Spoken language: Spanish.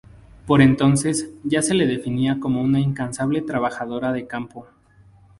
Por entonces ya se le definía como una incansable trabajadora de campo.